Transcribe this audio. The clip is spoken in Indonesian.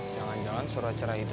jangan jangan surat cerah itu